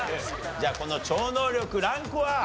じゃあこの超能力ランクは？